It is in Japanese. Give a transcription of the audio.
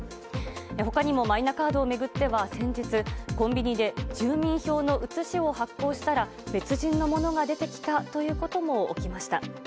他にもマイナカードを巡っては先日、コンビニで住民票の写しを発行したら別人のものが出てきたということも起きました。